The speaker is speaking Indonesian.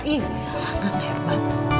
yang banget merba